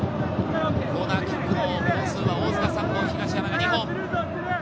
コーナーキックの本数は大津が３本、東山が２本。